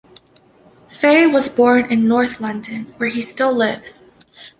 Fay was born in north London, where he still lives.